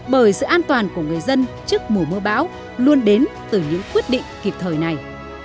bởi sự an toàn của người dân trước mùa mưa bão luôn đến từ những quyết định kịp thời này